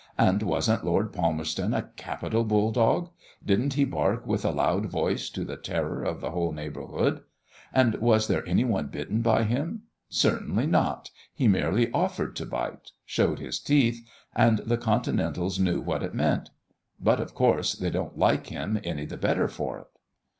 And was'nt Lord Palmerston a capital bull dog? Did'nt he bark with a loud voice, to the terror of the whole neighbourhood? And was there any one bitten by him? Certainly not, he merely offered to bite showed his teeth and the Continentals knew what it meant. But, of course, they don't like him any the better for it."